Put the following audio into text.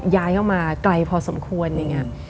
ย้ายเข้ามาไกลพอสมควรอย่างนี้